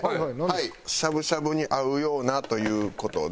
しゃぶしゃぶに合うようなという事で。